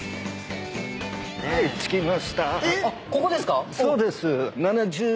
ここですか？